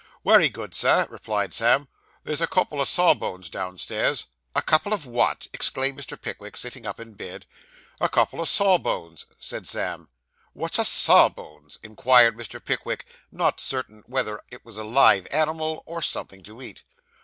'Wery good, sir,' replied Sam. 'There's a couple o' sawbones downstairs.' 'A couple of what!' exclaimed Mr. Pickwick, sitting up in bed. 'A couple o' sawbones,' said Sam. 'What's a sawbones?' inquired Mr. Pickwick, not quite certain whether it was a live animal, or something to eat.